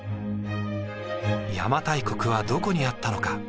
邪馬台国はどこにあったのか？